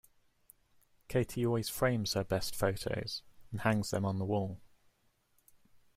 Katie always frames her best photos, and hangs them on the wall.